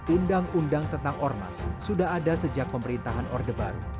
undang undang tentang ormas sudah ada sejak pemerintahan orde baru